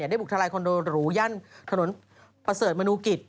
ได้บุกทลายคอนโดหรูย่านถนนประเสริฐมนุกิจ